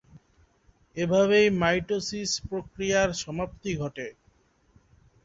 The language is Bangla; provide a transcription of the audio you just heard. এভাবেই মাইটোসিস প্রক্রিয়ার সমাপ্তি ঘটে।